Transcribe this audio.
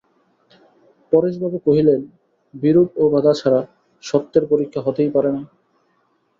পরেশবাবু কহিলেন, বিরোধ ও বাধা ছাড়া সত্যের পরীক্ষা হতেই পারে না।